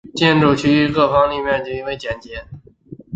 建筑其余各立面则较为简洁。